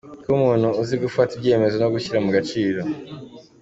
Kuba umuntu uzi gufata ibyemezo no gushyira mu gaciro.